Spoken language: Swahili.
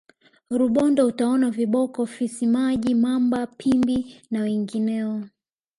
rubondo utaona viboko fisi maji mamba pimbi na wengineo